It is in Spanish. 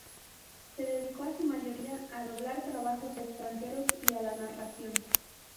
Se dedicó, en su mayoría, a doblar trabajos extranjeros y a la narración.